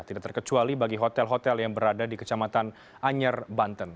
tidak terkecuali bagi hotel hotel yang berada di kecamatan anyer banten